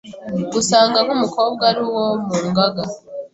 gusanga nk’umukobwa ari uwo mu ngaga